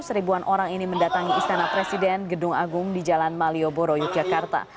seribuan orang ini mendatangi istana presiden gedung agung di jalan malioboro yogyakarta